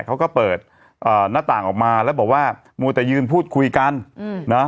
เขาก็เปิดหน้าต่างออกมาแล้วบอกว่ามัวแต่ยืนพูดคุยกันอืมนะ